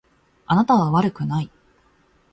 あなたは悪くない。